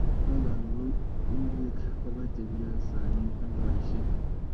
Loloni bo ingweek koba chepyosanin oldoishe